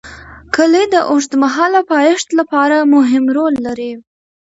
کلي د اوږدمهاله پایښت لپاره مهم رول لري.